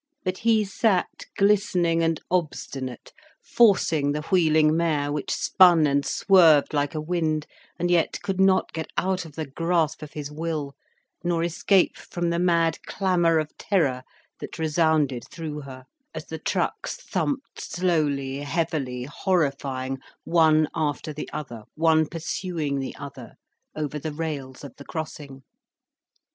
But he sat glistening and obstinate, forcing the wheeling mare, which spun and swerved like a wind, and yet could not get out of the grasp of his will, nor escape from the mad clamour of terror that resounded through her, as the trucks thumped slowly, heavily, horrifying, one after the other, one pursuing the other, over the rails of the crossing.